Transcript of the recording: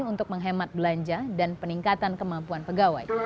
untuk menghemat belanja dan peningkatan kemampuan pegawai